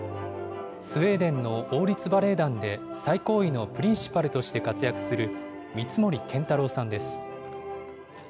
スウェーデンの王立バレエ団で最高位のプリンシパルとして活躍する、三森健太朗さんです。